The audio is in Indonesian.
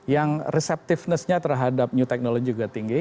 yang receptivenessnya terhadap new technology juga tinggi